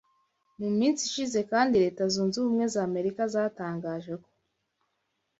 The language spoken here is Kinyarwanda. Mu minsi ishize kandi Leta Zunze Ubumwe za Amerika zatangaje ko